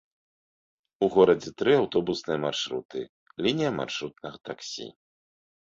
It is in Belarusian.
У горадзе тры аўтобусныя маршруты, лінія маршрутнага таксі.